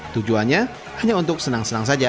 tujuannya hanya untuk senang senang saja